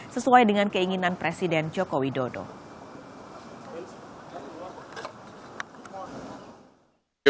sesuai dengan keinginan presiden jokowi dodo